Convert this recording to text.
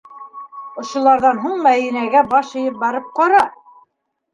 Ошоларҙан һуң Мәҙинәгә баш эйеп барып ҡара!